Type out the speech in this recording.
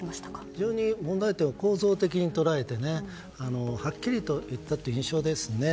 非常に問題点を構造的に捉えてはっきりと言ったという印象ですね。